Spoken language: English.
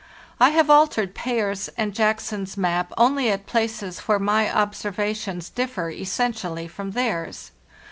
I have altered Payer's and Jackson's map only at places where my ob servations differ essentially from theirs.